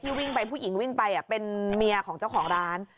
นี่ไงถึงบอกอยู่หน้าร้าน